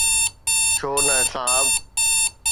ڇو نه صاحب؟